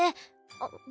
あっ。